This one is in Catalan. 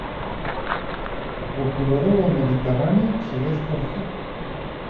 El corredor del Mediterrani segueix per fer.